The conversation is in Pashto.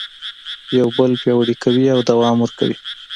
یو بل پیاوړي کوي او دوام ورکوي.